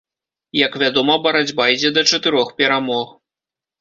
Як вядома, барацьба ідзе да чатырох перамог.